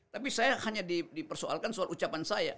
tapi saya hanya dipersoalkan soal ucapan saya